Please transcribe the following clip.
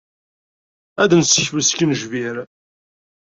Ad d-nsekfel skenjbir.